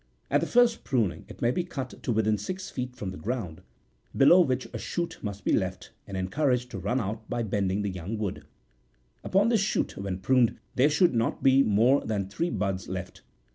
At the first pruning it may be cut to within six feet from the ground, below which a shoot must be left, and en couraged to run out by bending the young wood. Upon this shoot, when pruned, there should not be more than three buds left.